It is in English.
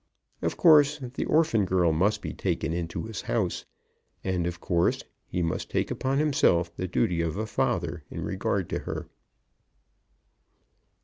Of course the orphan girl must be taken into his house; and of course he must take upon himself the duty of a father in regard to her.